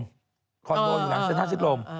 คอนโบลอยู่หลังเซ็นทัลชิดลม